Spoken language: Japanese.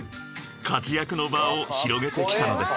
［活躍の場を広げてきたのです］